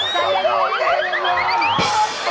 เพราะไม่เคยพูดในนี้ได้